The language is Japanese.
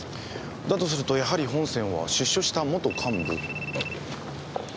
だとするとやはり本線は出所した元幹部？